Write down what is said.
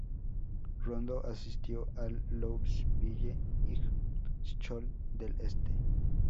Rondo asistió al Louisville 's High School del Este.